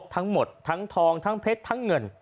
ทั้งหมดทั้งทองทั้งเพชรทั้งเงิน